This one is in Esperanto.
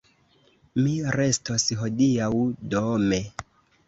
Mi restos hodiaŭ dome.